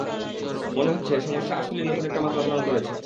মনে হচ্ছে, সমস্যা আসলেই নতুন একটা মাত্রা ধারণ করেছে!